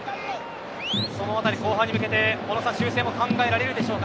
その辺り、後半に向けて小野さん修正も考えられるでしょうか。